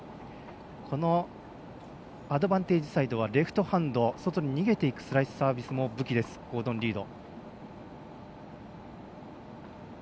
このアドバンテージサイドはレフトハンド、外に逃げていくスライスサービスも武器です、ゴードン・リード。